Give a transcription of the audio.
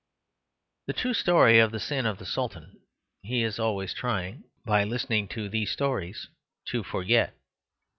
The true story of the sin of the Sultan he is always trying, by listening to these stories, to forget.